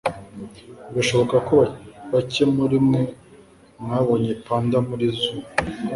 Birashoboka ko bake muri mwe mwabonye panda muri zoo.